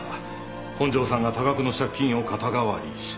本庄さんが多額の借金を肩代わりした。